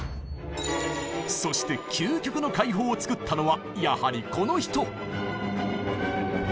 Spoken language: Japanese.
そして究極の解放を作ったのはやはりこの人！